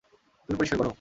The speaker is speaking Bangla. তুমি পরিষ্কার কর।